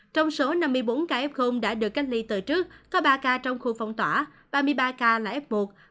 trong số năm mươi bốn ca f đã được cách ly từ trước có ba ca trong khu phong tỏa ba mươi ba ca là f một